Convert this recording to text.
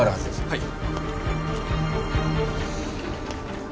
はい。